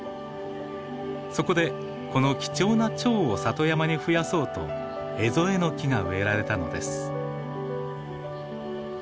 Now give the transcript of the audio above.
そこでこの貴重なチョウを里山にふやそうとエゾエノキが植えられたのです。